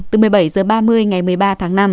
từ một mươi bảy h ba mươi ngày một mươi ba tháng năm